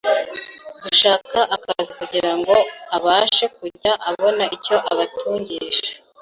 gushaka akazi kugirango abashe kujya abona icyo abatungisha.